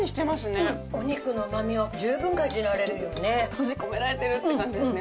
閉じ込められてるって感じですね